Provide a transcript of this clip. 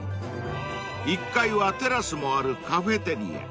［１階はテラスもあるカフェテリア］